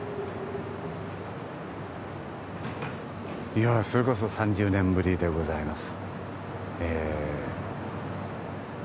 いやそれこそ３０年ぶりでございます。